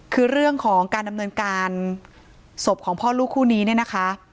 คือเรื่องของการดำเนินการศพของพ่อลูกคู่นี้เนี่ยนะคะ